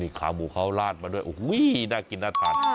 นี่ขาวหมูเค้าลาดมาด้วยอุ้ยน่ากินน่าทาน